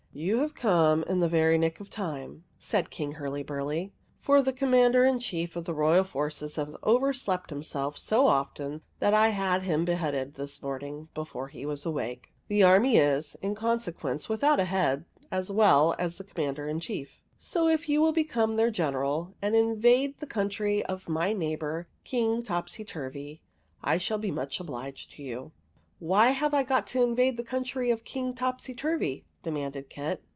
^" You have come in the very nick of time,'' said King Hurlyburly, "for the Commander in Chief of the royal forces has overslept him self so often that I had him beheaded this morning before he was awake. The army is in consequence without a head as well as the Commander in Chief; so if you will become their General and invade the country of my neighbour King Topsyturvy, I shall be much obliged to you." OF THE WILLOW HERB 9 "Why have I got to invade the country of King Topsyturvy ?" demanded Kit.